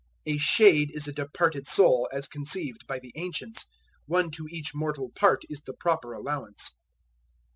A shade is a departed soul, as conceived by the ancients; one to each mortal part is the proper allowance.